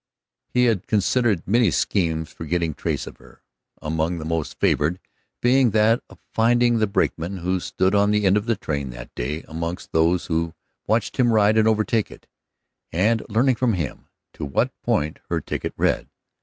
He had considered many schemes for getting trace of her, among the most favored being that of finding the brakeman who stood on the end of the train that day among those who watched him ride and overtake it, and learning from him to what point her ticket read.